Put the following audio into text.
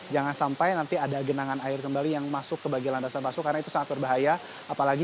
jangan sampai nanti ada genangan air kembali